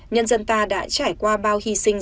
nhân dân ta đã trải qua bao hy sinh